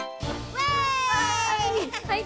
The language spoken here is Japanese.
わい！